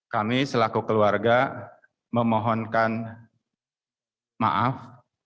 kami selaku keluarga memohonkan maaf